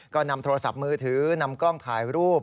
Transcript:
ก็นำโทรศัพท์มือถือนำกล้องถ่ายรูป